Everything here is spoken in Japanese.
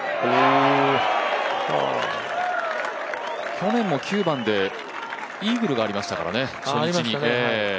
去年も９番でイーグルがありましたからね、初日に。